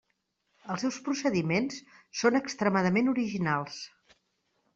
Els seus procediments són extremament originals.